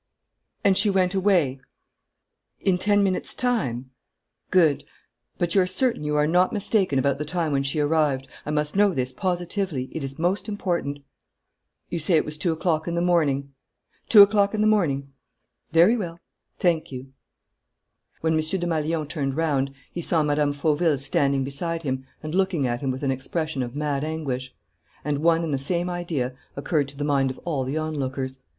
And she went away?... In ten minutes time?... Good ... But you're certain you are not mistaken about the time when she arrived? I must know this positively: it is most important.... You say it was two o'clock in the morning? Two o'clock in the morning?... Very well.... Thank you." When M. Desmalions turned round, he saw Mme. Fauville standing beside him and looking at him with an expression of mad anguish. And one and the same idea occurred to the mind of all the onlookers.